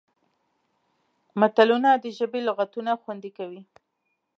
متلونه د ژبې لغتونه خوندي کوي